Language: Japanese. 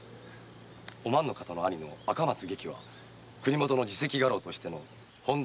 お万の方の兄・赤松外記は国許の次席家老として本多